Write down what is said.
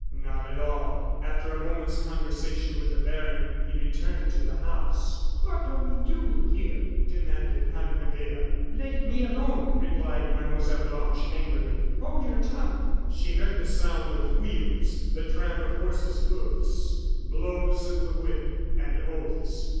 Not at all. After a moment's conversation with the baron, he returned to the house. "What are we doing here?" demanded Aunt Medea. "Let me alone!" replied Mlle. Blanche, angrily; "hold your tongue!" She heard the sound of wheels, the tramp of horses' hoofs, blows of the whip, and oaths.